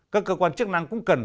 các cơ quan chức năng cũng cần